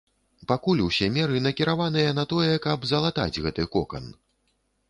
Пакуль усе меры накіраваныя на тое, каб залатаць гэты кокан.